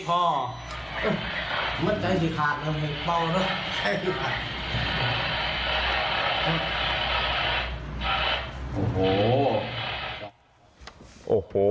โอ้โห